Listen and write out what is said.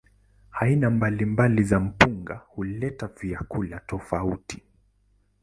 Aina mbalimbali za mpunga huleta vyakula tofauti.